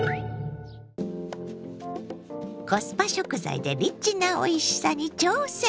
コスパ食材でリッチなおいしさに挑戦！